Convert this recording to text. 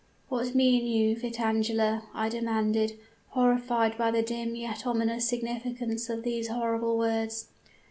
"'What mean you, Vitangela?' I demanded, horrified by the dim yet ominous significance of these horrible words.